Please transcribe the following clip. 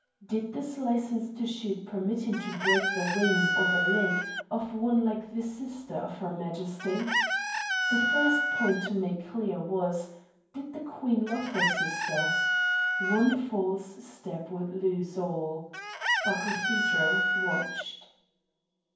Did this licence to shoot permit him to break the wing or the leg of one like the sister of her Majesty? The first point to make clear was, did the queen love her sister? One false step would lose all. Barkilphedro watched.